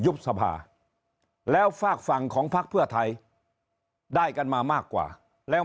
สภาแล้วฝากฝั่งของพักเพื่อไทยได้กันมามากกว่าแล้ว